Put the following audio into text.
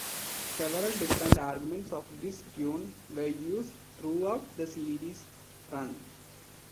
Several different arrangements of this tune were used throughout the series' run.